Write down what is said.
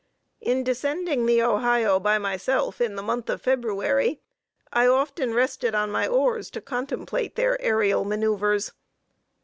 In descending the Ohio by myself in the month of February I often rested on my oars to contemplate their aërial manoeuvres.